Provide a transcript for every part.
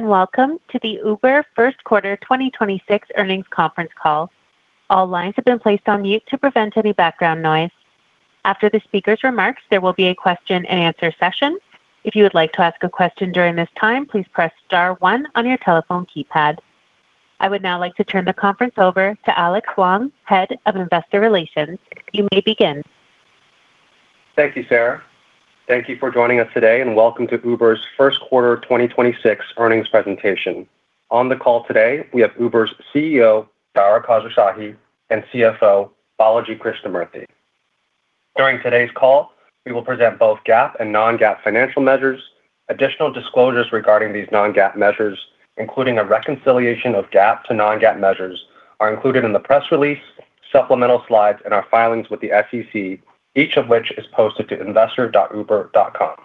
Welcome to the Uber Q1 2026 Earnings Conference Call. All lines have been placed on mute to prevent any background noise. After the speaker's remarks, there will be a question and answer session. If you would like to ask a question during this time, please press star one on your telephone keypad. I would now like to turn the conference over to Alex Hwang, Head of Investor Relations. You may begin. Thank you, Sarah. Thank you for joining us today. Welcome to Uber's Q1 2026 earnings presentation. On the call today, we have Uber's CEO, Dara Khosrowshahi, and CFO, Balaji Krishnamurthy. During today's call, we will present both GAAP and non-GAAP financial measures. Additional disclosures regarding these non-GAAP measures, including a reconciliation of GAAP to non-GAAP measures, are included in the press release, supplemental slides and our filings with the SEC, each of which is posted to investor.uber.com.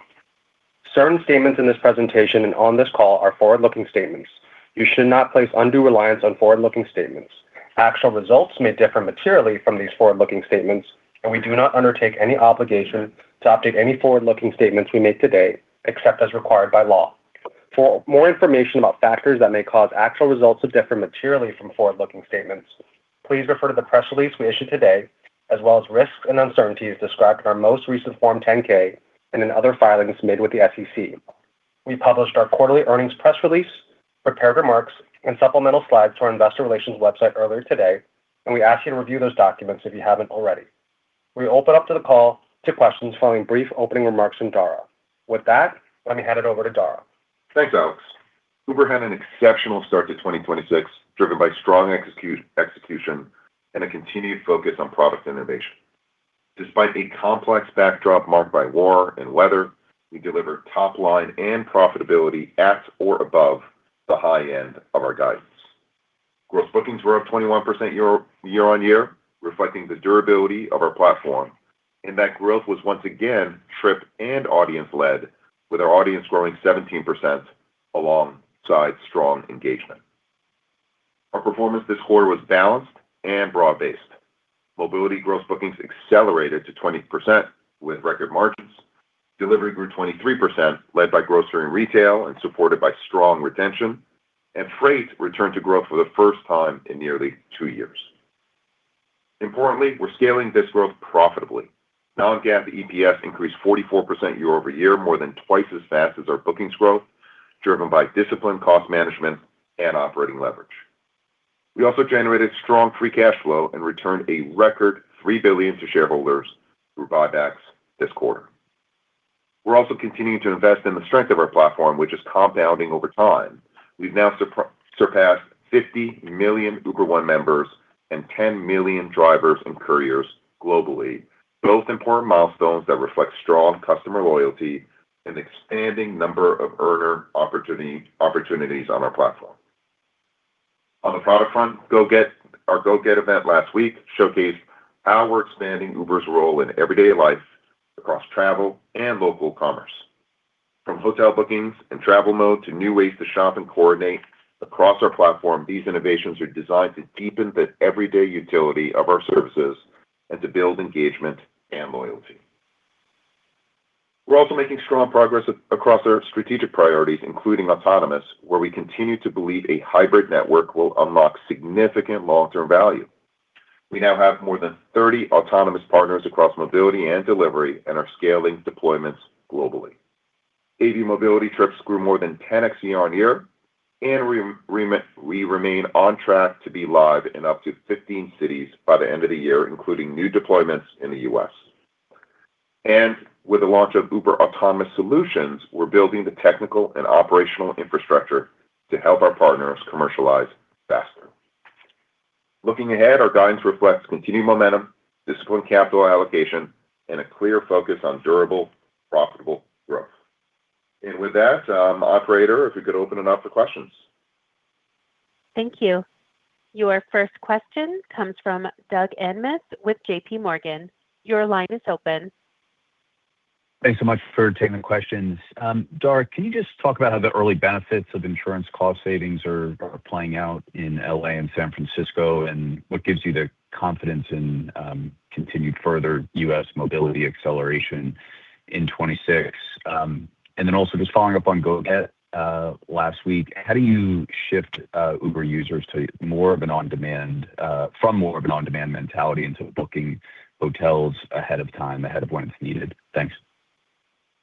Certain statements in this presentation and on this call are forward-looking statements. You should not place undue reliance on forward-looking statements. Actual results may differ materially from these forward-looking statements. We do not undertake any obligation to update any forward-looking statements we make today, except as required by law. For more information about factors that may cause actual results to differ materially from forward-looking statements, please refer to the press release we issued today, as well as risks and uncertainties described in our most recent form 10-K and in other filings made with the SEC. We published our quarterly earnings press release, prepared remarks and supplemental slides to our investor relations website earlier today, and we ask you to review those documents if you haven't already. We open up to the call to questions following brief opening remarks from Dara. With that, let me hand it over to Dara. Thanks, Alex. Uber had an exceptional start to 2026, driven by strong execution and a continued focus on product innovation. Despite a complex backdrop marked by war and weather, we delivered top line and profitability at or above the high end of our guidance. Gross bookings were up 21% year on year, reflecting the durability of our platform, and that growth was once again trip and audience-led, with our audience growing 17% alongside strong engagement. Our performance this quarter was balanced and broad-based. Mobility gross bookings accelerated to 20% with record margins. Delivery grew 23%, led by grocery and retail and supported by strong retention. Freight returned to growth for the first time in nearly two years. Importantly, we're scaling this growth profitably. Non-GAAP EPS increased 44% year-over-year, more than twice as fast as our bookings growth, driven by disciplined cost management and operating leverage. We also generated strong free cash flow and returned a record $3 billion to shareholders through buybacks this quarter. We're also continuing to invest in the strength of our platform, which is compounding over time. We've now surpassed 50 million Uber One members and 10 million drivers and couriers globally, both important milestones that reflect strong customer loyalty and expanding number of earner opportunities on our platform. On the product front, Go-Get, our Go-Get event last week showcased how we're expanding Uber's role in everyday life across travel and local commerce. From hotel bookings and Travel Mode to new ways to shop and coordinate across our platform, these innovations are designed to deepen the everyday utility of our services and to build engagement and loyalty. We're also making strong progress across our strategic priorities, including autonomous, where we continue to believe a hybrid network will unlock significant long-term value. We now have more than 30 autonomous partners across mobility and delivery and are scaling deployments globally. AV mobility trips grew more than 10x year-on-year, and we remain on track to be live in up to 15 cities by the end of the year, including new deployments in the U.S. With the launch of Uber Autonomous Solutions, we're building the technical and operational infrastructure to help our partners commercialize faster. Looking ahead, our guidance reflects continued momentum, disciplined capital allocation and a clear focus on durable, profitable growth. With that, operator, if we could open it up for questions. Thank you. Your first question comes from Doug Anmuth with J.P. Morgan. Your line is open. Thanks so much for taking the questions. Dara, can you just talk about how the early benefits of insurance cost savings are playing out in L.A. and San Francisco, and what gives you the confidence in continued further U.S. mobility acceleration in 2026? Also just following up on Go-Get last week, how do you shift Uber users to more of an on-demand from more of an on-demand mentality into booking hotels ahead of time, ahead of when it's needed? Thanks.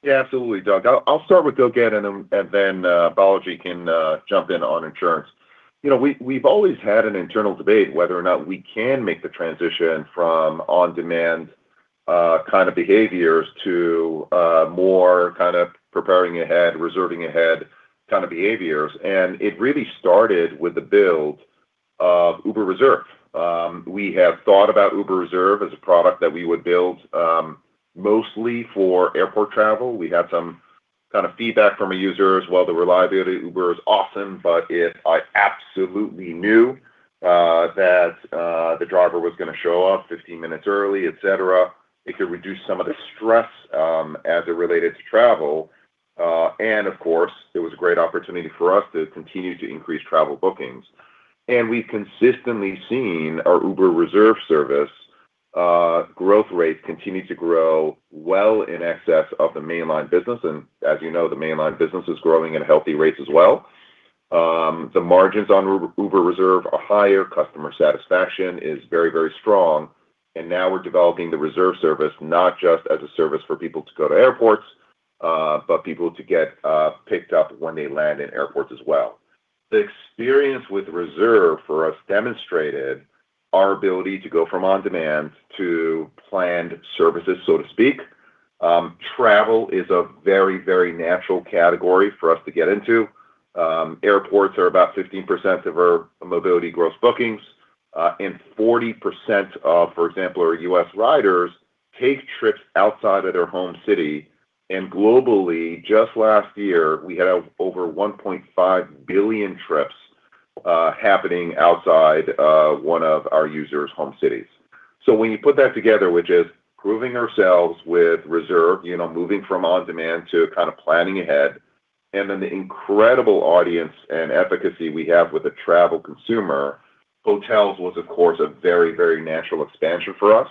Yeah, absolutely, Doug. I'll start with Go-Get and then Balaji can jump in on insurance. You know, we've always had an internal debate whether or not we can make the transition from on-demand kind of behaviors to more kind of preparing ahead, reserving ahead kind of behaviors. It really started with the build of Uber Reserve. We have thought about Uber Reserve as a product that we would build mostly for airport travel. We had some kind of feedback from a user as well. The reliability of Uber is awesome, but if I absolutely knew that the driver was gonna show up 15 minutes early, etc., it could reduce some of the stress as it related to travel. Of course, it was a great opportunity for us to continue to increase travel bookings. We've consistently seen our Uber Reserve service growth rates continue to grow well in excess of the mainline business, and as you know, the mainline business is growing at healthy rates as well. The margins on Uber Reserve are higher. Customer satisfaction is very, very strong, and now we're developing the Reserve service, not just as a service for people to go to airports, but people to get picked up when they land in airports as well. The experience with Reserve for us demonstrated our ability to go from on-demand to planned services, so to speak. Travel is a very, very natural category for us to get into. Airports are about 15% of our mobility gross bookings, and 40% of, for example, our U.S. riders take trips outside of their home city. Globally, just last year, we had over 1.5 billion trips happening outside of one of our users' home cities. When you put that together, which is proving ourselves with Reserve, you know, moving from on-demand to kind of planning ahead, and then the incredible audience and efficacy we have with a travel consumer, hotels was, of course, a very, very natural expansion for us.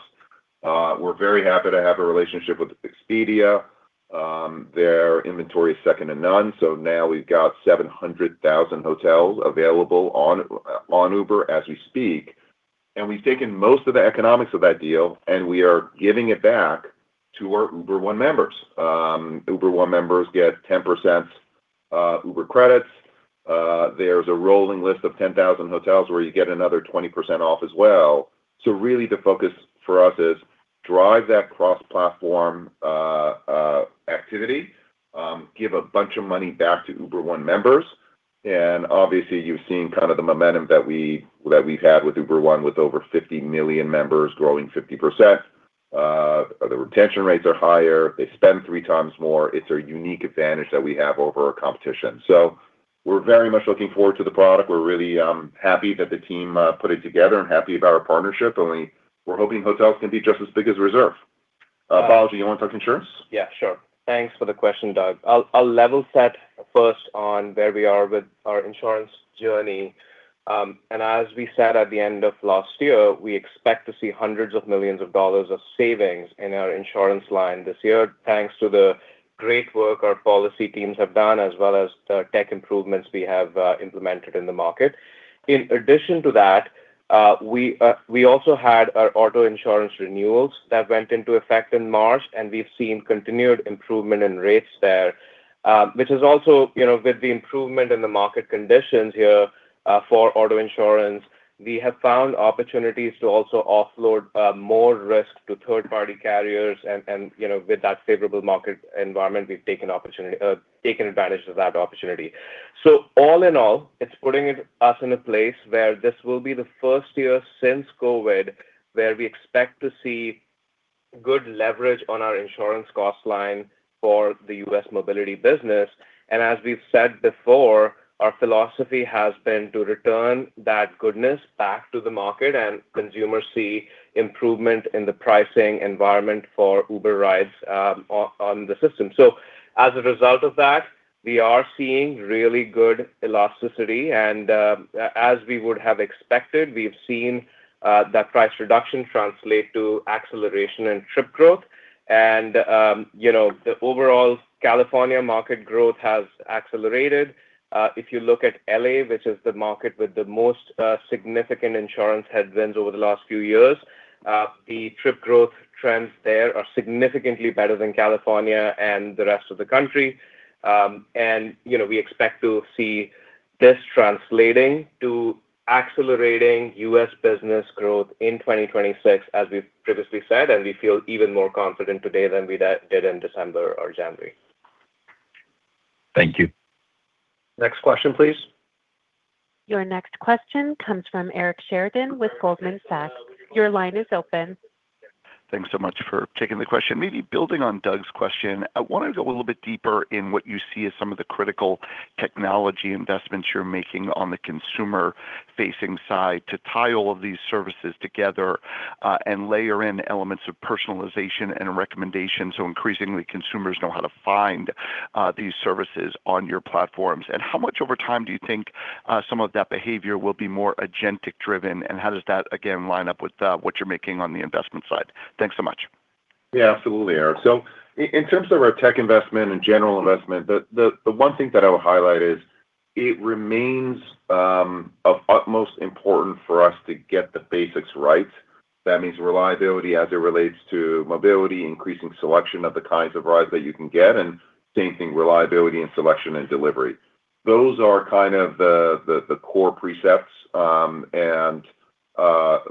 We're very happy to have a relationship with Expedia. Their inventory is second to none, so now we've got 700,000 hotels available on Uber as we speak. We've taken most of the economics of that deal, and we are giving it back to our Uber One members. Uber One members get 10% Uber credits. There's a rolling list of 10,000 hotels where you get another 20% off as well. Really the focus for us is drive that cross-platform activity, give a bunch of money back to Uber One members, obviously you've seen kind of the momentum that we've had with Uber One, with over 50 million members growing 50%. The retention rates are higher. They spend three times more. It's a unique advantage that we have over our competition. We're very much looking forward to the product. We're really happy that the team put it together and happy about our partnership. We're hoping hotels can be just as big as Reserve. Balaji, you want to talk insurance? Yeah, sure. Thanks for the question, Doug. I'll level set first on where we are with our insurance journey. As we said at the end of last year, we expect to see hundreds of millions of dollars of savings in our insurance line this year, thanks to the great work our policy teams have done as well as the tech improvements we have implemented in the market. In addition to that, we also had our auto insurance renewals that went into effect in March, and we've seen continued improvement in rates there, which is also, you know, with the improvement in the market conditions here, for auto insurance, we have found opportunities to also offload more risk to third-party carriers. You know, with that favorable market environment, we've taken advantage of that opportunity. All in all, it's putting us in a place where this will be the first year since COVID where we expect to see good leverage on our insurance cost line for the U.S. mobility business. As we've said before, our philosophy has been to return that goodness back to the market, and consumers see improvement in the pricing environment for Uber rides on the system. As a result of that, we are seeing really good elasticity and as we would have expected, we've seen that price reduction translate to acceleration in trip growth. You know, the overall California market growth has accelerated. If you look at L.A., which is the market with the most significant insurance headwinds over the last few years, the trip growth trends there are significantly better than California and the rest of the country. You know, we expect to see this translating to accelerating U.S. business growth in 2026, as we've previously said, and we feel even more confident today than we did in December or January. Thank you. Next question, please. Your next question comes from Eric Sheridan with Goldman Sachs. Your line is open. Thanks so much for taking the question. Maybe building on Doug's question, I wanted to go a little bit deeper in what you see as some of the critical technology investments you're making on the consumer-facing side to tie all of these services together, and layer in elements of personalization and recommendation so increasingly consumers know how to find these services on your platforms. How much over time do you think some of that behavior will be more agentic driven? How does that, again, line up with what you're making on the investment side? Thanks so much. Absolutely, Eric. In terms of our tech investment and general investment, the one thing that I would highlight is it remains of utmost importance for us to get the basics right. That means reliability as it relates to mobility, increasing selection of the kinds of rides that you can get, and same thing, reliability and selection and delivery. Those are kind of the core precepts.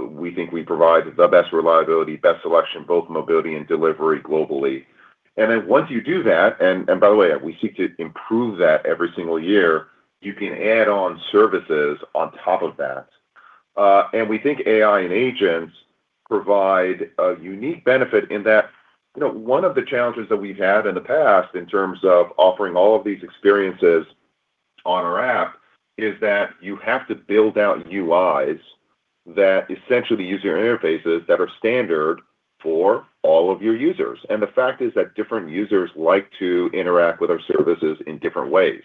We think we provide the best reliability, best selection, both mobility and delivery globally. Once you do that, and by the way, we seek to improve that every single year, you can add on services on top of that. We think AI and agents provide a unique benefit in that, you know, one of the challenges that we've had in the past in terms of offering all of these experiences on our app is that you have to build out UIs that essentially the user interfaces that are standard for all of your users. The fact is that different users like to interact with our services in different ways.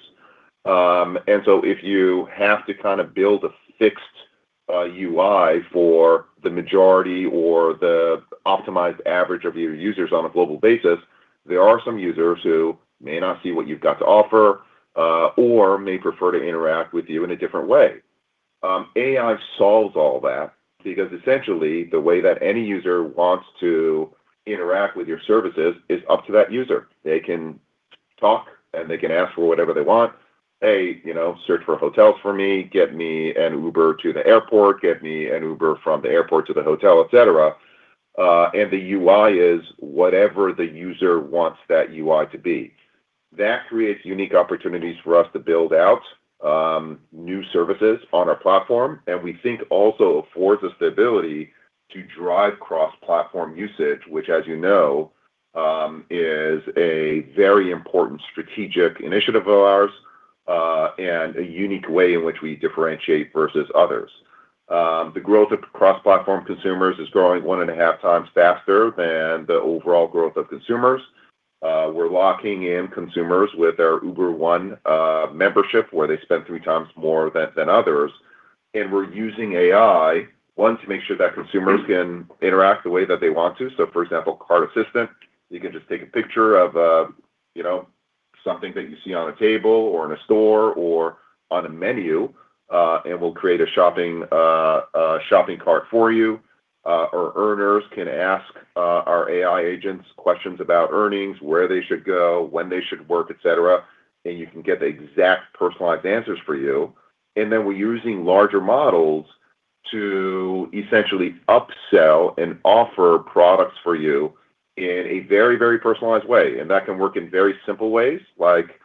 If you have to kind of build a fixed UI for the majority or the optimized average of your users on a global basis, there are some users who may not see what you've got to offer, or may prefer to interact with you in a different way. AI solves all that because essentially the way that any user wants to interact with your services is up to that user. They can talk, and they can ask for whatever they want. "Hey, you know, search for hotels for me. Get me an Uber to the airport. Get me an Uber from the airport to the hotel," et cetera. The UI is whatever the user wants that UI to be. That creates unique opportunities for us to build out new services on our platform, and we think also affords us the ability to drive cross-platform usage, which, as you know, is a very important strategic initiative of ours and a unique way in which we differentiate versus others. The growth of cross-platform consumers is growing one and a half times faster than the overall growth of consumers. We're locking in consumers with our Uber One membership, where they spend three times more than others. We're using AI, one, to make sure that consumers can interact the way that they want to. For example, Cart Assistant, you can just take a picture of, you know, something that you see on a table or in a store or on a menu, and we'll create a shopping cart for you. Our earners can ask our AI agents questions about earnings, where they should go, when they should work, et cetera, and you can get the exact personalized answers for you. We're using larger models to essentially upsell and offer products for you in a very, very personalized way. That can work in very simple ways, like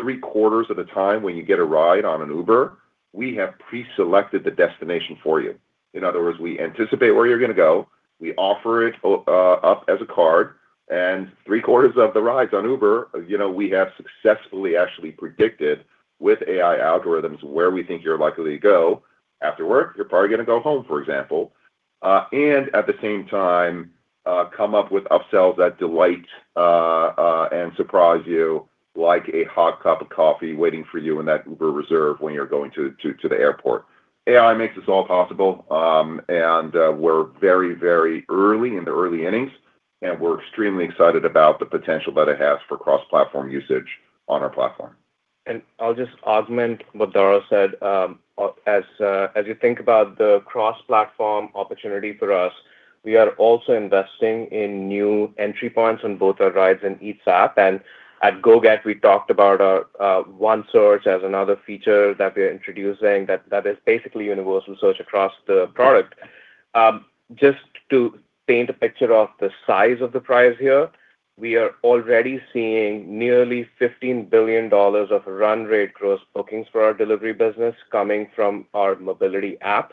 three-quarters of the time when you get a ride on an Uber, we have preselected the destination for you. In other words, we anticipate where you're gonna go. We offer it up as a card, and three-quarters of the rides on Uber, you know, we have successfully actually predicted with AI algorithms where we think you're likely to go. After work, you're probably gonna go home, for example. At the same time, come up with upsells that delight and surprise you, like a hot cup of coffee waiting for you in that Uber Reserve when you're going to the airport. AI makes this all possible. We're very early in the early innings, and we're extremely excited about the potential that it has for cross-platform usage on our platform. I'll just augment what Dara said. As you think about the cross-platform opportunity for us, we are also investing in new entry points on both our rides and Eats app. At Go-Get, we talked about One Search as another feature that we're introducing that is basically universal search across the product. Just to paint a picture of the size of the prize here, we are already seeing nearly $15 billion of run rate gross bookings for our delivery business coming from our mobility app,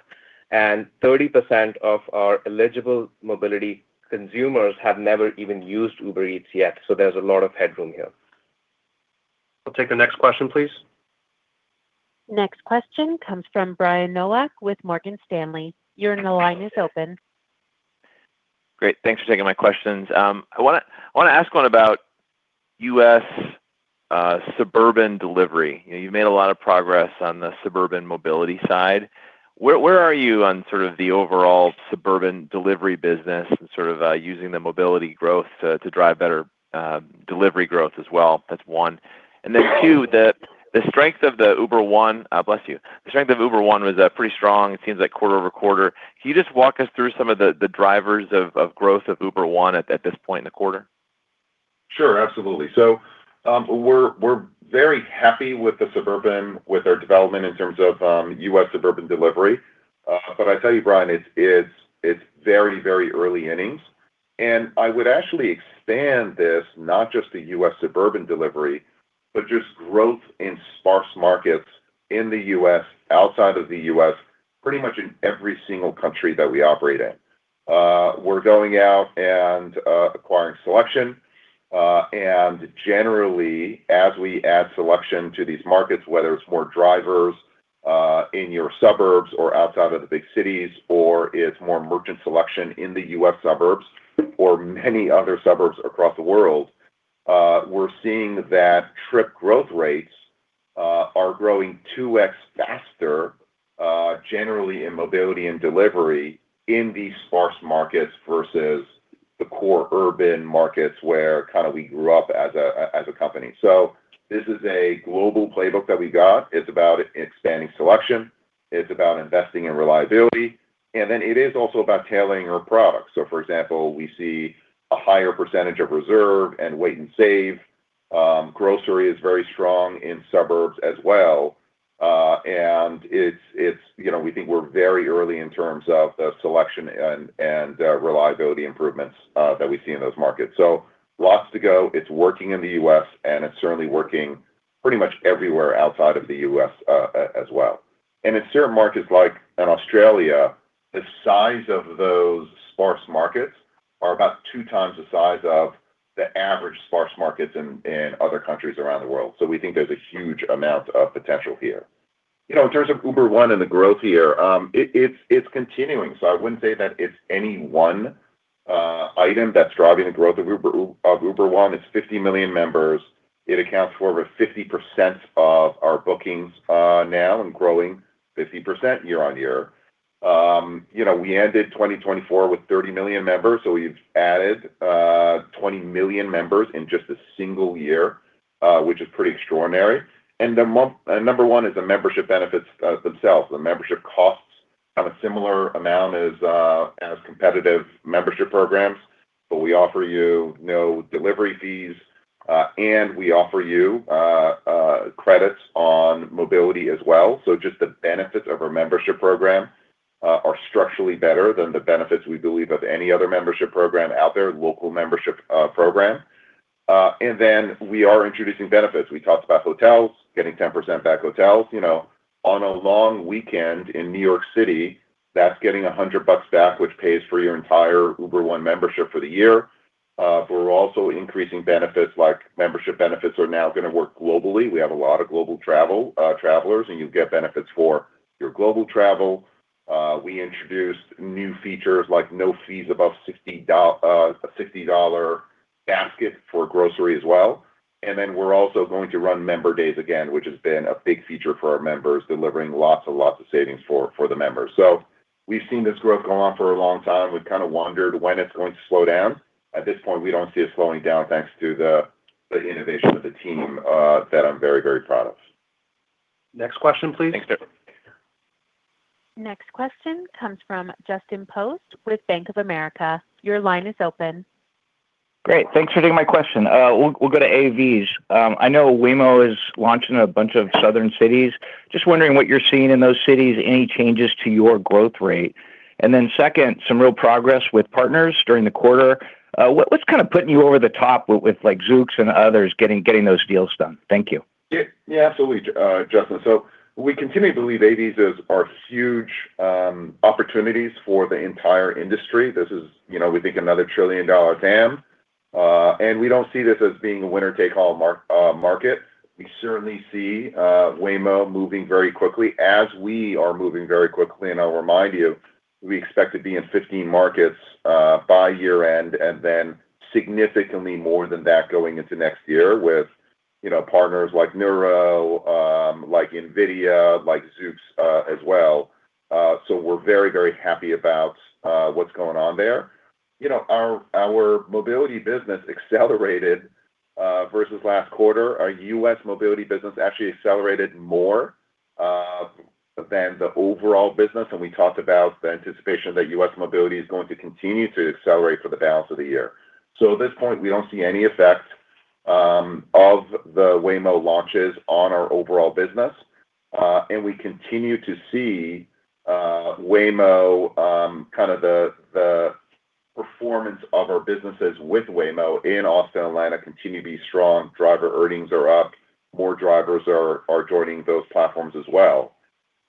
and 30% of our eligible mobility consumers have never even used Uber Eats yet. There's a lot of headroom here. I'll take the next question, please. Next question comes from Brian Nowak with Morgan Stanley. Your line is open. Great. Thanks for taking my questions. I wanna ask one about U.S. suburban delivery. You know, you've made a lot of progress on the suburban mobility side. Where are you on sort of the overall suburban delivery business and sort of using the mobility growth to drive better delivery growth as well? That's one. Two, the strength of the Uber One, bless you. The strength of Uber One was pretty strong it seems like quarter-over-quarter. Can you just walk us through some of the drivers of growth of Uber One at this point in the quarter? Sure. Absolutely. We're very happy with our development in terms of U.S. suburban delivery. But I tell you, Brian, it's very, very early innings. I would actually expand this, not just the U.S. suburban delivery, but just growth in sparse markets in the U.S., outside of the U.S., pretty much in every single country that we operate in. We're going out and acquiring selection. Generally, as we add selection to these markets, whether it's more drivers in your suburbs or outside of the big cities, or it's more merchant selection in the U.S. suburbs or many other suburbs across the world, we're seeing that trip growth rates are growing 2x faster generally in mobility and delivery in these sparse markets versus the core urban markets where kind of we grew up as a company. This is a global playbook that we got. It's about expanding selection. It's about investing in reliability. Then it is also about tailoring our products. For example, we see a higher percentage of Reserve and Wait & Save. Grocery is very strong in suburbs as well. It's, you know, we think we're very early in terms of the selection and reliability improvements that we see in those markets. Lots to go. It's working in the U.S., it's certainly working pretty much everywhere outside of the U.S. as well. In certain markets, like in Australia, the size of those sparse markets are about two times the size of the average sparse markets in other countries around the world. We think there's a huge amount of potential here. You know, in terms of Uber One and the growth here, it's continuing. I wouldn't say that it's any 1 item that's driving the growth of Uber One. It's 50 million members. It accounts for over 50% of our bookings now, and growing 50% year-over-year. You know, we ended 2024 with 30 million members, so we've added 20 million members in just a single year, which is pretty extraordinary. The number one is the membership benefits themselves. The membership costs kind of similar amount as competitive membership programs, we offer you no delivery fees, and we offer you credits on mobility as well. Just the benefits of our membership program are structurally better than the benefits, we believe, of any other membership program out there, local membership program. Then we are introducing benefits. We talked about hotels, getting 10% back hotels. You know, on a long weekend in New York City, that's getting $100 back, which pays for your entire Uber One membership for the year. We're also increasing benefits like membership benefits are now gonna work globally. We have a lot of global travel, travelers, and you get benefits for your global travel. We introduced new features like no fees above a $60 basket for grocery as well. We're also going to run Member Days again, which has been a big feature for our members, delivering lots and lots of savings for the members. We've seen this growth go on for a long time. We've kinda wondered when it's going to slow down. At this point, we don't see it slowing down, thanks to the innovation of the team that I'm very, very proud of. Next question, please. Thanks, Dara. Next question comes from Justin Post with Bank of America. Your line is open. Great. Thanks for taking my question. We'll go to AVs. I know Waymo is launching a bunch of southern cities. Just wondering what you're seeing in those cities, any changes to your growth rate. Then second, some real progress with partners during the quarter. What's kinda putting you over the top with, like, Zoox and others getting those deals done? Thank you. Yeah, yeah, absolutely, Justin. We continue to believe AVs are huge opportunities for the entire industry. This is, you know, we think another trillion-dollar TAM. We don't see this as being a winner-take-all market. We certainly see Waymo moving very quickly as we are moving very quickly. I'll remind you, we expect to be in 15 markets by year-end and then significantly more than that going into next year with, you know, partners like Nuro, like NVIDIA, like Zoox as well. We're very, very happy about what's going on there. You know, our mobility business accelerated versus last quarter. Our U.S. mobility business actually accelerated more than the overall business, we talked about the anticipation that U.S. mobility is going to continue to accelerate for the balance of the year. At this point, we don't see any effect of the Waymo launches on our overall business, and we continue to see Waymo, the performance of our businesses with Waymo in Austin and Atlanta continue to be strong. Driver earnings are up. More drivers are joining those platforms as well.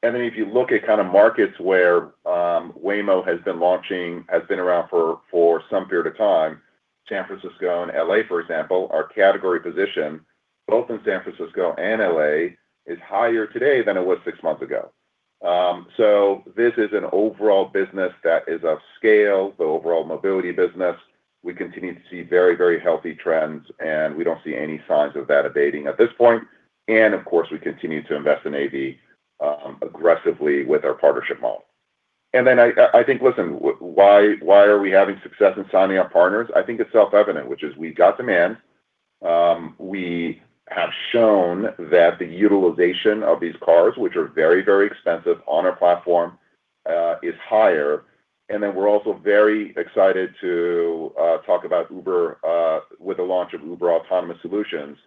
If you look at kind of markets where Waymo has been launching, has been around for some period of time, San Francisco and L.A., for example, our category position both in San Francisco and L.A. is higher today than it was six months ago. This is an overall business that is of scale, the overall mobility business. We continue to see very, very healthy trends, and we don't see any signs of that abating at this point. Of course, we continue to invest in AV aggressively with our partnership model. I think, listen, why are we having success in signing up partners? I think it's self-evident, which is we've got demand. We have shown that the utilization of these cars, which are very, very expensive on our platform, is higher. We're also very excited to talk about Uber with the launch of Uber Autonomous Solutions,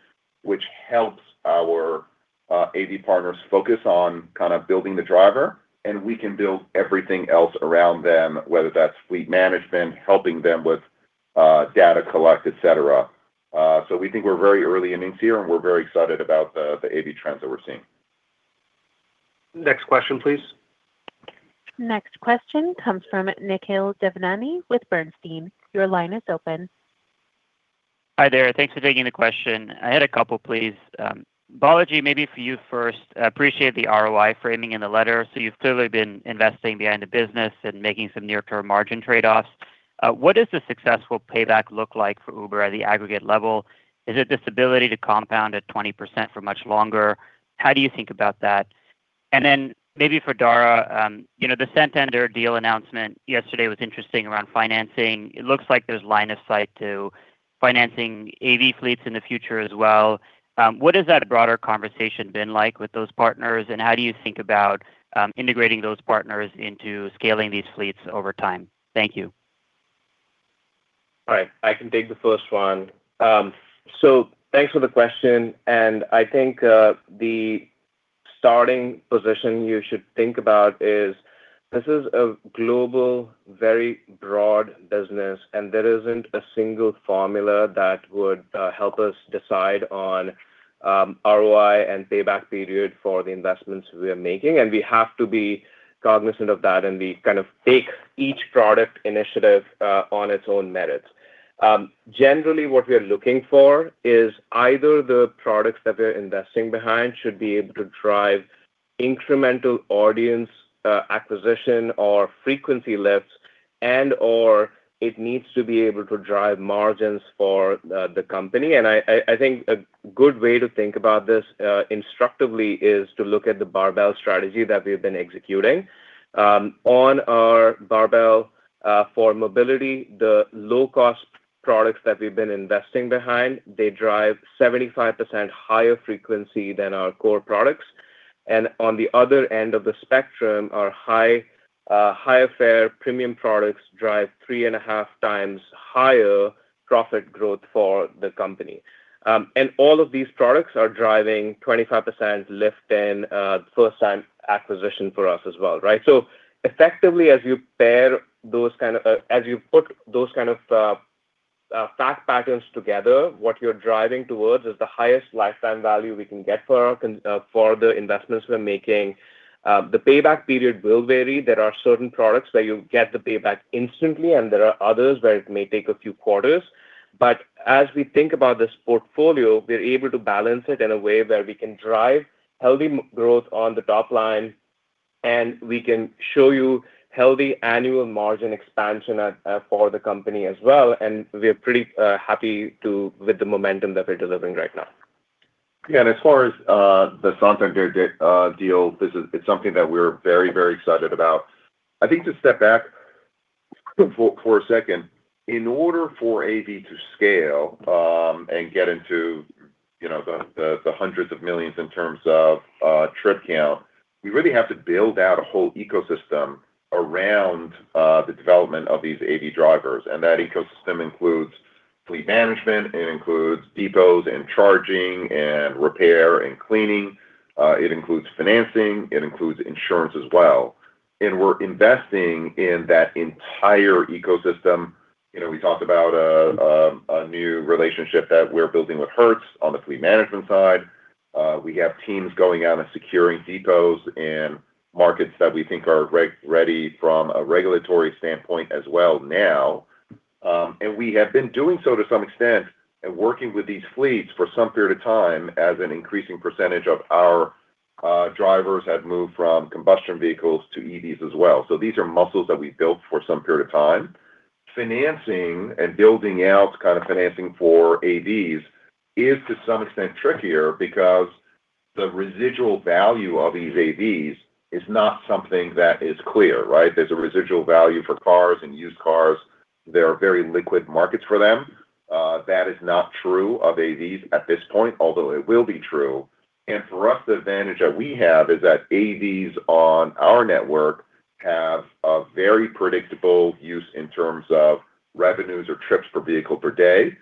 which helps our AV partners focus on kind of building the driver, and we can build everything else around them, whether that's fleet management, helping them with data collect, et cetera. We think we're very early innings here, and we're very excited about the AV trends that we're seeing. Next question, please. Next question comes from Nikhil Devnani with Bernstein. Your line is open. Hi there. Thanks for taking the question. I had a couple, please. Balaji, maybe for you first. Appreciate the ROI framing in the letter. You've clearly been investing behind the business and making some near-term margin trade-offs. What does the successful payback look like for Uber at the aggregate level? Is it this ability to compound at 20% for much longer? How do you think about that? Maybe for Dara, you know, the Santander deal announcement yesterday was interesting around financing. It looks like there's line of sight to financing AV fleets in the future as well. What has that broader conversation been like with those partners, and how do you think about integrating those partners into scaling these fleets over time? Thank you. All right. I can take the first one. Thanks for the question. I think the starting position you should think about is this is a global, very broad business, and there isn't a single formula that would help us decide on ROI and payback period for the investments we are making. We have to be cognizant of that, and we kind of take each product initiative on its own merits. Generally what we are looking for is either the products that we're investing behind should be able to drive incremental audience acquisition or frequency lifts and/or it needs to be able to drive margins for the company. I, I think a good way to think about this instructively is to look at the barbell strategy that we've been executing. On our barbell for mobility, the low-cost products that we've been investing behind, they drive 75% higher frequency than our core products. On the other end of the spectrum, our high, higher fare premium products drive 3.5 times higher profit growth for the company. All of these products are driving 25% lift in first-time acquisition for us as well, right? Effectively, as you pair those kind of fact patterns together, what you're driving towards is the highest lifetime value we can get for our investments we're making. The payback period will vary. There are certain products where you get the payback instantly, and there are others where it may take a few quarters. As we think about this portfolio, we're able to balance it in a way where we can drive healthy growth on the top line, and we can show you healthy annual margin expansion for the company as well. We're pretty happy with the momentum that we're delivering right now. Yeah. As far as the Santander deal, it's something that we're very, very excited about. I think to step back for a second, in order for AV to scale, and get into, you know, the hundreds of millions in terms of trip count, we really have to build out a whole ecosystem around the development of these AV drivers. That ecosystem includes fleet management, it includes depots and charging and repair and cleaning. It includes financing, it includes insurance as well. We're investing in that entire ecosystem. You know, we talked about a new relationship that we're building with Hertz on the fleet management side. We have teams going out and securing depots in markets that we think are reg-ready from a regulatory standpoint as well now. We have been doing so to some extent and working with these fleets for some period of time as an increasing percentage of our drivers have moved from combustion vehicles to EVs as well. These are muscles that we've built for some period of time. Financing and building out kind of financing for AVs is, to some extent, trickier because the residual value of these AVs is not something that is clear, right? There's a residual value for cars and used cars. There are very liquid markets for them. That is not true of AVs at this point, although it will be true. For us, the advantage that we have is that AVs on our network have a very predictable use in terms of revenues or trips per vehicle per day,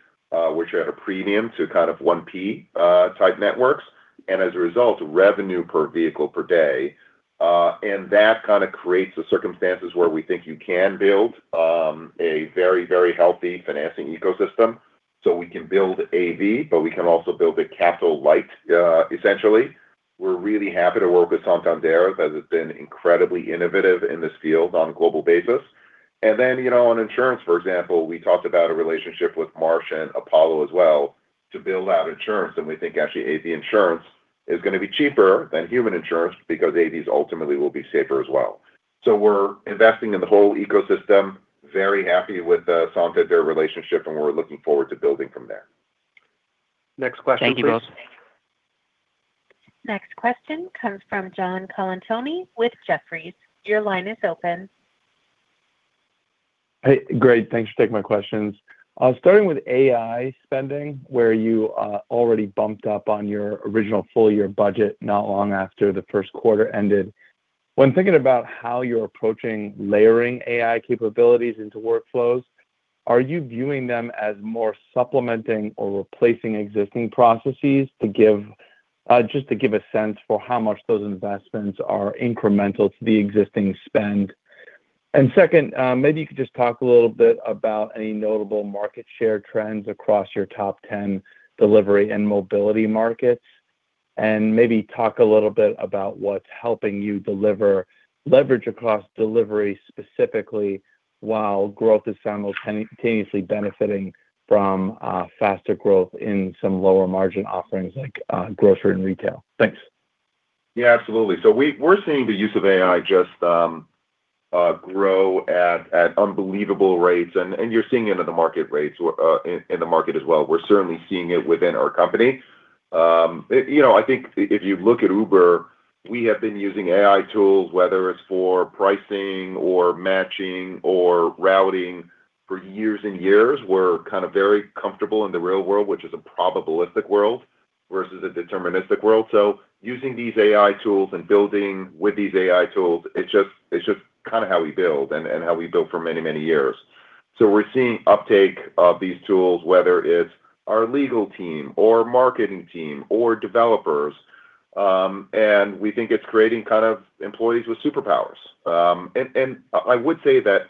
which are at a premium to kind of 1P type networks, and as a result, revenue per vehicle per day. That kinda creates the circumstances where we think you can build a very, very healthy financing ecosystem. We can build AV, but we can also build it capital light, essentially. We're really happy to work with Santander, as it's been incredibly innovative in this field on a global basis. Then, you know, on insurance, for example, we talked about a relationship with Marsh and Apollo as well to build out insurance, and we think actually AV insurance is gonna be cheaper than human insurance because AVs ultimately will be safer as well. We're investing in the whole ecosystem, very happy with the Santander relationship, and we're looking forward to building from there. Next question please. Thank you, both. Next question comes from John Colantuoni with Jefferies. Your line is open. Hey, great. Thanks for taking my questions. Starting with AI spending, where you already bumped up on your original full year budget not long after the Q1 ended. When thinking about how you're approaching layering AI capabilities into workflows, are you viewing them as more supplementing or replacing existing processes to give just to give a sense for how much those investments are incremental to the existing spend? Second, maybe you could just talk a little bit about any notable market share trends across your top 10 delivery and mobility markets. Maybe talk a little bit about what's helping you deliver leverage across delivery specifically, while growth is simultaneously benefiting from faster growth in some lower margin offerings like grocery and retail. Thanks. Yeah, absolutely. We're seeing the use of AI just grow at unbelievable rates, and you're seeing it in the market rates, in the market as well. We're certainly seeing it within our company. You know, I think if you look at Uber, we have been using AI tools, whether it's for pricing or matching or routing for years and years. We're kind of very comfortable in the real world, which is a probabilistic world versus a deterministic world. Using these AI tools and building with these AI tools, it's just kind of how we build and how we built for many, many years. We're seeing uptake of these tools, whether it's our legal team or marketing team or developers. We think it's creating kind of employees with superpowers. I would say that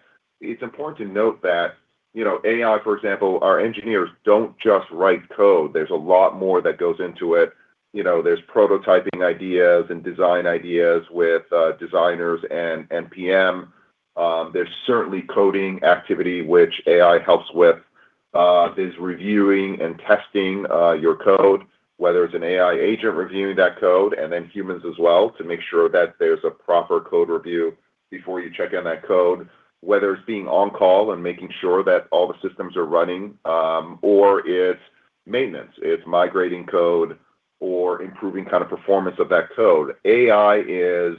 it's important to note that, you know, AI, for example, our engineers don't just write code. There's a lot more that goes into it. You know, there's prototyping ideas and design ideas with designers and PM. There's certainly coding activity, which AI helps with is reviewing and testing your code, whether it's an AI agent reviewing that code, and then humans as well to make sure that there's a proper code review before you check in that code, whether it's being on call and making sure that all the systems are running, or it's maintenance, it's migrating code or improving kind of performance of that code. AI is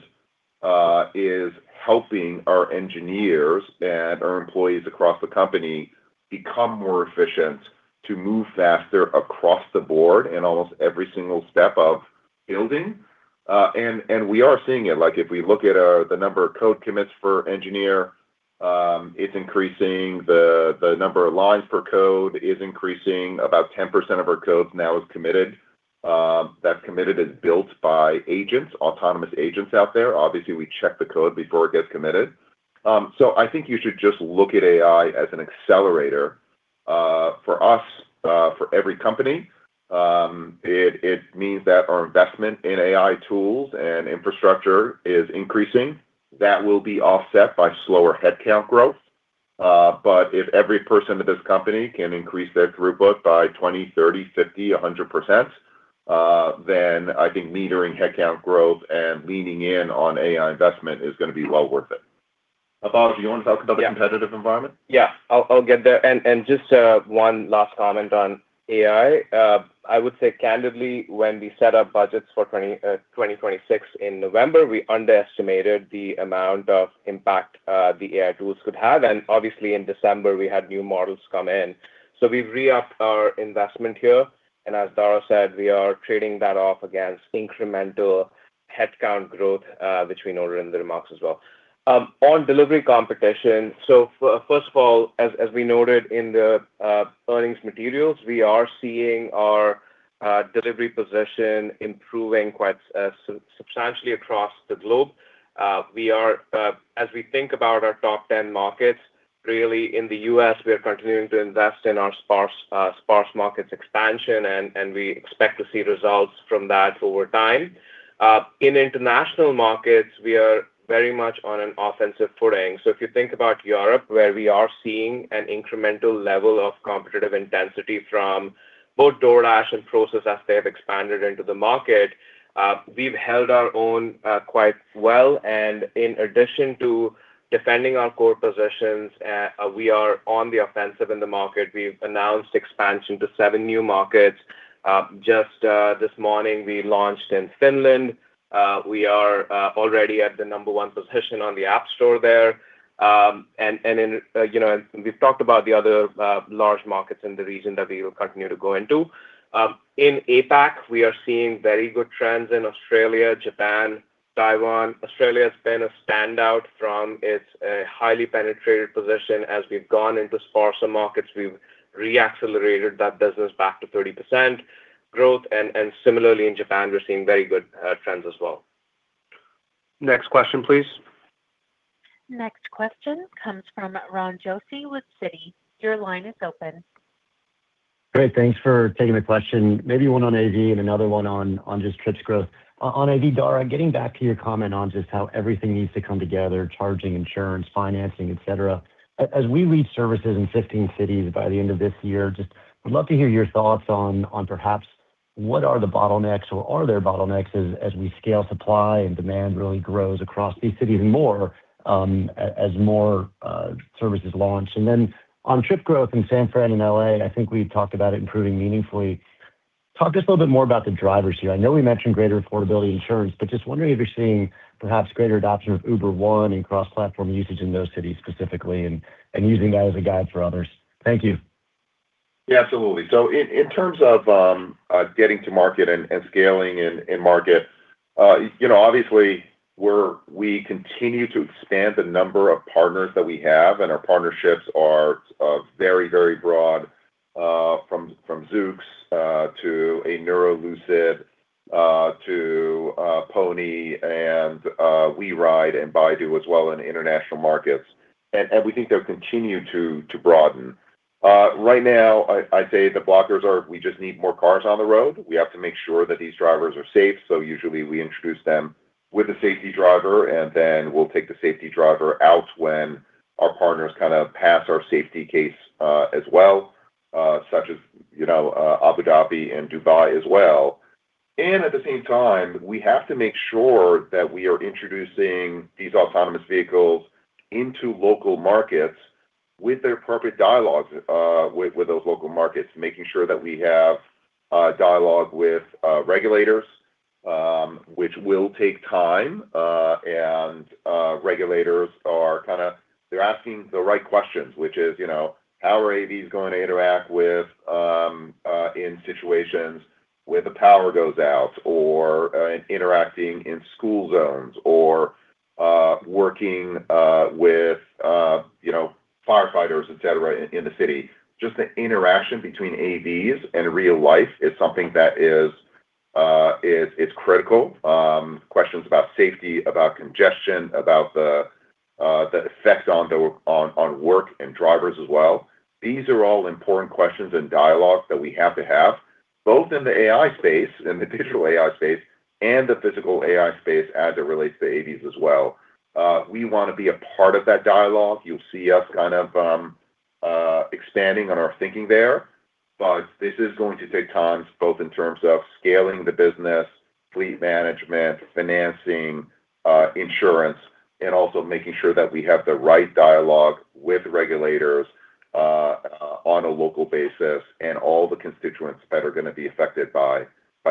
helping our engineers and our employees across the company become more efficient to move faster across the board in almost every single step of building. We are seeing it. Like, if we look at the number of code commits for engineer, it's increasing. The number of lines per code is increasing. About 10% of our codes now is committed. That's committed is built by agents, autonomous agents out there. Obviously, we check the code before it gets committed. I think you should just look at AI as an accelerator. For us, for every company, it means that our investment in AI tools and infrastructure is increasing. That will be offset by slower headcount growth. If every person at this company can increase their throughput by 20%, 30%, 50%, 100%, I think leading headcount growth and leaning in on AI investment is gonna be well worth it. Balaji, do you want to talk about the competitive environment? Yeah. I'll get there. Just one last comment on AI. I would say candidly, when we set our budgets for 2026 in November, we underestimated the amount of impact the AI tools could have. Obviously in December, we had new models come in. We've re-upped our investment here, and as Dara said, we are trading that off against incremental headcount growth, which we noted in the remarks as well. On delivery competition, first of all, as we noted in the earnings materials, we are seeing our delivery position improving quite substantially across the globe. We are as we think about our top 10 markets, really in the U.S., we are continuing to invest in our sparse markets expansion and we expect to see results from that over time. In international markets, we are very much on an offensive footing. If you think about Europe, where we are seeing an incremental level of competitive intensity from both DoorDash and Prosus as they have expanded into the market, we've held our own quite well. In addition to defending our core positions, we are on the offensive in the market. We've announced expansion to seven new markets. Just this morning, we launched in Finland. We are already at the number one position on the App Store there. In, you know, we've talked about the other large markets in the region that we will continue to go into. In APAC, we are seeing very good trends in Australia, Japan, Taiwan. Australia's been a standout from its highly penetrated position. As we've gone into sparser markets, we've re-accelerated that business back to 30% growth. Similarly in Japan, we're seeing very good trends as well. Next question, please. Next question comes from Ron Josey with Citi. Your line is open. Great. Thanks for taking the question. Maybe one on AV and another one on just trips growth. On AV, Dara, getting back to your comment on just how everything needs to come together, charging, insurance, financing, et cetera. As we reach services in 15 cities by the end of this year, just would love to hear your thoughts on perhaps what are the bottlenecks or are there bottlenecks as we scale supply and demand really grows across these cities and more, as more services launch? Then on trip growth in San Fran and L.A., I think we've talked about it improving meaningfully. Talk to us a little bit more about the drivers here. I know we mentioned greater affordability insurance, but just wondering if you're seeing perhaps greater adoption of Uber One and cross-platform usage in those cities specifically and using that as a guide for others. Thank you. Yeah, absolutely. In terms of getting to market and scaling in market, you know, obviously we continue to expand the number of partners that we have, and our partnerships are very, very broad, from Zoox, to a Nuro, Lucid, to Pony and WeRide and Baidu as well in the international markets. We think they'll continue to broaden. Right now I'd say the blockers are we just need more cars on the road. We have to make sure that these drivers are safe. Usually we introduce them with a safety driver, and then we'll take the safety driver out when our partners kind of pass our safety case as well, such as, you know, Abu Dhabi and Dubai as well. At the same time, we have to make sure that we are introducing these autonomous vehicles into local markets with the appropriate dialogues with those local markets, making sure that we have dialogue with regulators, which will take time. Regulators are kinda They're asking the right questions, which is, you know, how are AVs going to interact with in situations where the power goes out or interacting in school zones or working with, you know, firefighters, et cetera, in the city? Just the interaction between AVs and real life is something that is critical. Questions about safety, about congestion, about the effect on work and drivers as well. These are all important questions and dialogues that we have to have. Both in the AI space, in the digital AI space and the physical AI space as it relates to AVs as well. We wanna be a part of that dialogue. You'll see us kind of expanding on our thinking there, but this is going to take time, both in terms of scaling the business, fleet management, financing, insurance, and also making sure that we have the right dialogue with regulators on a local basis and all the constituents that are gonna be affected by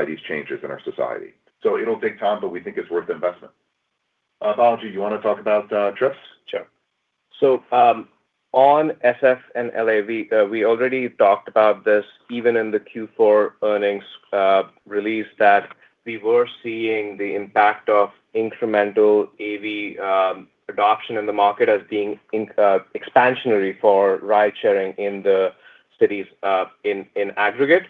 these changes in our society. It'll take time, but we think it's worth investment. Balaji, you wanna talk about trips? Sure. On SF and L.A., we already talked about this even in the Q4 earnings release that we were seeing the impact of incremental AV adoption in the market as being expansionary for ridesharing in the cities, in aggregate.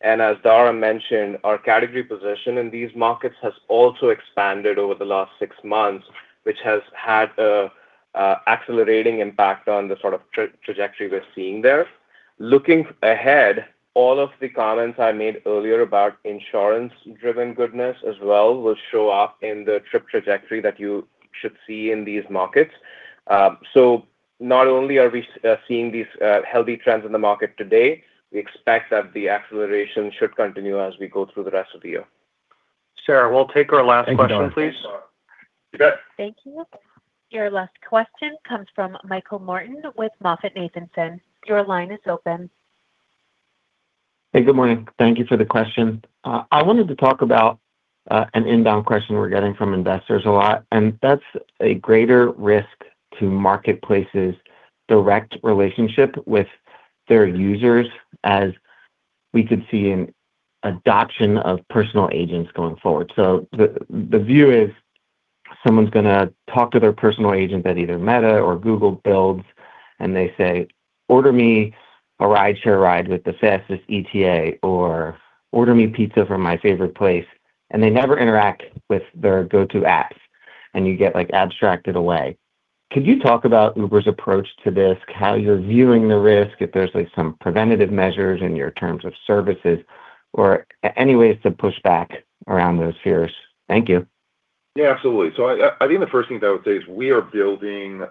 As Dara mentioned, our category position in these markets has also expanded over the last six months, which has had a accelerating impact on the sort of trajectory we're seeing there. Looking ahead, all of the comments I made earlier about insurance-driven goodness as well will show up in the trip trajectory that you should see in these markets. Not only are we seeing these healthy trends in the market today, we expect that the acceleration should continue as we go through the rest of the year. Sarah, we'll take our last question, please. Thank you, Dara. Thank you. Your last question comes from Michael Morton with MoffettNathanson. Your line is open. Hey, good morning. Thank you for the question. I wanted to talk about an inbound question we're getting from investors a lot, and that's a greater risk to marketplace's direct relationship with their users as we could see an adoption of personal agents going forward. The view is someone's gonna talk to their personal agent that either Meta or Google builds, and they say, "Order me a rideshare ride with the fastest ETA," or, "Order me pizza from my favorite place," and they never interact with their go-to apps, and you get, like, abstracted away. Could you talk about Uber's approach to this, how you're viewing the risk, if there's, like, some preventative measures in your terms of service or any ways to push back around those fears? Thank you. Yeah, absolutely. I think the first thing that I would say is we are building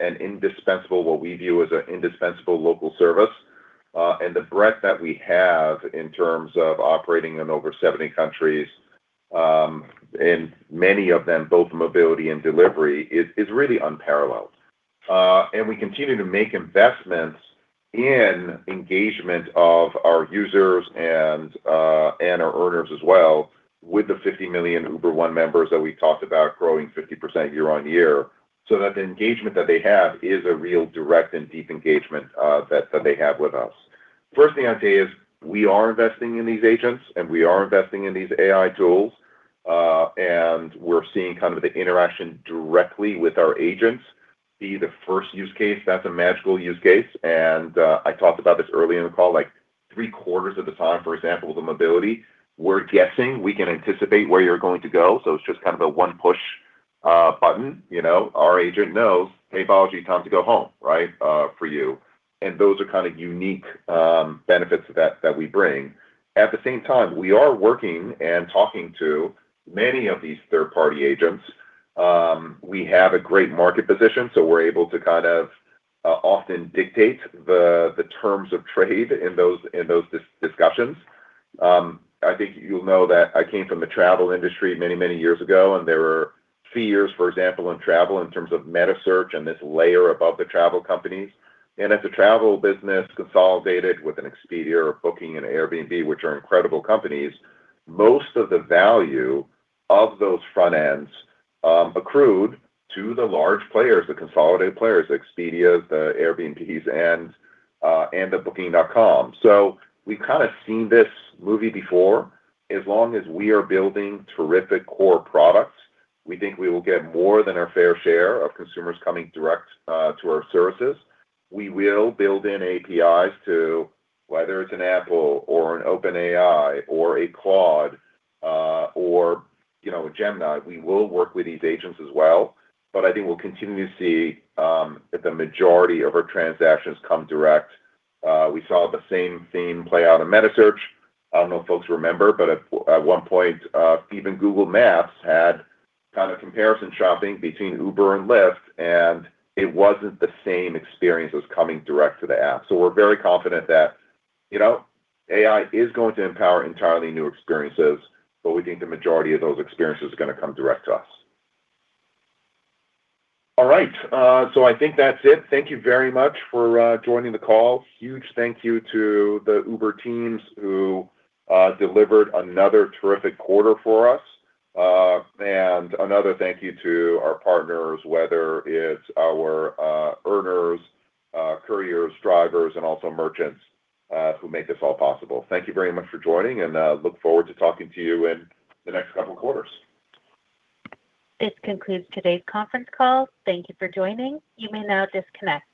an indispensable what we view as an indispensable local service, and the breadth that we have in terms of operating in over 70 countries, and many of them both mobility and delivery, is really unparalleled. We continue to make investments in engagement of our users and our earners as well with the 50 million Uber One members that we talked about growing 50% year-on-year, so that the engagement that they have is a real direct and deep engagement that they have with us. First thing I'd say is we are investing in these agents, and we are investing in these AI tools, and we're seeing kind of the interaction directly with our agents be the first use case. That's a magical use case, and I talked about this earlier in the call. Like, three-quarters of the time, for example, the mobility, we're guessing we can anticipate where you're going to go, so it's just kind of a one-push button. You know, our agent knows, "Hey, Balaji, time to go home, right, for you." Those are kind of unique benefits that we bring. At the same time, we are working and talking to many of these third-party agents. We have a great market position, so we're able to kind of often dictate the terms of trade in those discussions. I think you'll know that I came from the travel industry many, many years ago, and there were fears, for example, in travel in terms of metasearch and this layer above the travel companies. As the travel business consolidated with an Expedia or Booking and Airbnb, which are incredible companies, most of the value of those front ends accrued to the large players, the consolidated players, the Expedias, the Airbnbs and the Booking.com. We've kinda seen this movie before. As long as we are building terrific core products, we think we will get more than our fair share of consumers coming direct to our services. We will build in APIs to, whether it's an Apple or an OpenAI or a Claude, or, you know, a Gemini, we will work with these agents as well. I think we'll continue to see that the majority of our transactions come direct. We saw the same theme play out in metasearch. I don't know if folks remember, but at one point, even Google Maps had kind of comparison shopping between Uber and Lyft, and it wasn't the same experience as coming direct to the app. We're very confident that, you know, AI is going to empower entirely new experiences, but we think the majority of those experiences are gonna come direct to us. All right, I think that's it. Thank you very much for joining the call. Huge thank you to the Uber teams who delivered another terrific quarter for us. Another thank you to our partners, whether it's our earners, couriers, drivers, and also merchants, who make this all possible. Thank you very much for joining, look forward to talking to you in the next couple of quarters. This concludes today's conference call. Thank you for joining. You may now disconnect.